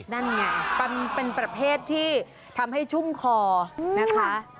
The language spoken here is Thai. นั่นไงเป็นประเภทที่ทำให้ชุ่มคอนะคะ